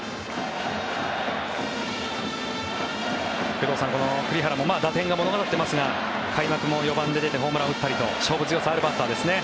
工藤さん、栗原も打点が物語っていますが開幕も４番で出てホームランを打ったりと勝負強さがあるバッターですね。